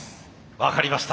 分かりました。